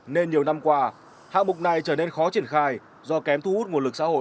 nên nhiều năm qua hạng mục này trở nên khó triển khai do kém thu hút nguồn lực xã hội